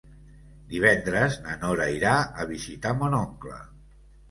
Divendres na Nora irà a visitar mon oncle.